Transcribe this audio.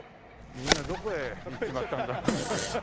みんなどこへ行っちまったんだ。